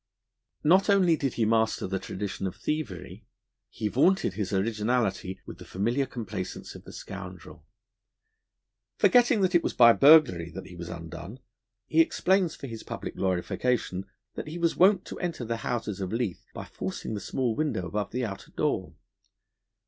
Not only did he master the tradition of thievery; he vaunted his originality with the familiar complacence of the scoundrel. Forgetting that it was by burglary that he was undone, he explains for his public glorification that he was wont to enter the houses of Leith by forcing the small window above the outer door.